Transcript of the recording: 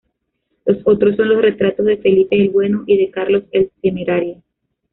Los otros son los retratos de Felipe el Bueno y de Carlos el Temerario.